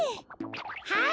はい！